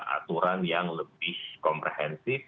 aturan yang lebih komprehensif